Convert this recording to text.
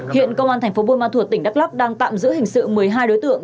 hiện công an tp bùi ma thuật tỉnh đắk lắk đang tạm giữ hình sự một mươi hai đối tượng